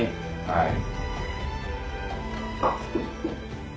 はい。